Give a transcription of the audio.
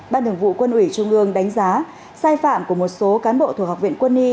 ban thường vụ quân ủy trung ương đánh giá sai phạm của một số cán bộ thuộc học viện quân y